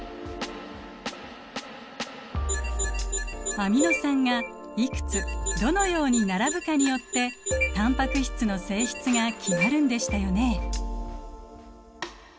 アミノ酸がいくつどのように並ぶかによってタンパク質の性質が決まるんでしたよね。